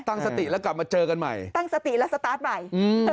ตั้งสติแล้วกลับมาเจอกันใหม่ตั้งสติแล้วสตาร์ทใหม่อืม